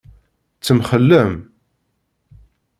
Temxellem?